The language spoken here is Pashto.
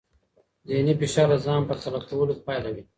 ذهني فشار د ځان پرتله کولو پایله وي.